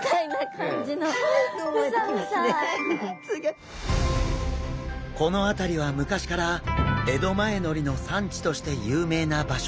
この辺りは昔から江戸前のりの産地として有名な場所。